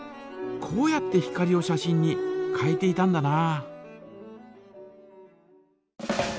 こうやって光を写真に変えていたんだな。